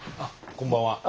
こんばんは！